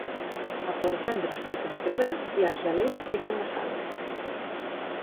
A Portvendres piquen pebre i a Argelers piquen la sal.